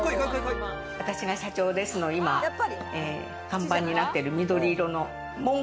私が社長ですの今看板になっている緑色の。